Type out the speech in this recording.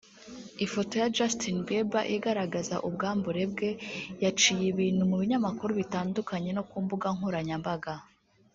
Ifoto ya Justin Bieber igaragaza ubwambure bwe yaciye ibintu mu binyamakuru bitandukanye no ku mbuga nkoranyambaga